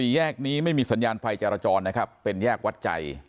แยกนี้ไม่มีสัญญาณไฟจรจรนะครับเป็นแยกวัดใจ